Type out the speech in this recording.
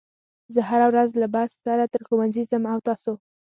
زه هره ورځ له بس سره تر ښوونځي ځم او تاسو